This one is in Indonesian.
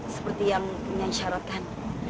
seperti yang nyai syaratkan